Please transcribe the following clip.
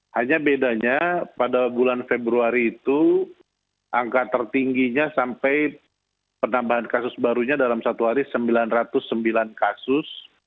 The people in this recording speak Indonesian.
hanya bedanya pada bulan februari itu angka tertingginya sampai penambahan kasus barunya dalam satu hari sembilan ratus sembilan kasus